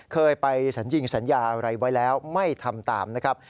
เคยไปสัญญิงสัญญาอะไรไว้แล้วไม่ทำตามนะครับ